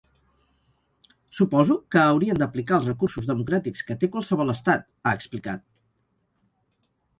Suposo que haurien d’aplicar els recursos democràtics que té qualsevol estat, ha explicat.